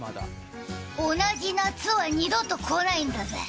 同じ夏は二度と来ないんだぜ。